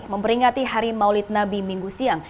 memperingati hari maulid nabi minggu siang